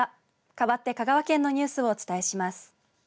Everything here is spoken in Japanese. かわって香川県のニュースをお伝えします。